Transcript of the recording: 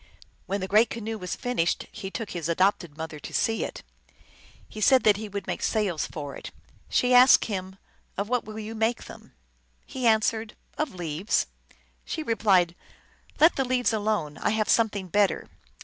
When the great canoe was fin ished he took his (adopted) mother to see it. He said that he would make sails for it. She asked him, " Of what will you make them ?" He answered, " Of leaves." She replied, " Let the leaves alone. I have something better."